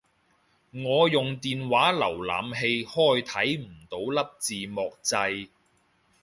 我用電話瀏覽器開睇唔到粒字幕掣